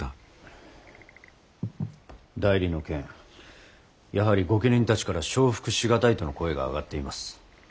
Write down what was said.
内裏の件やはり御家人たちから承服し難いとの声が上がっています。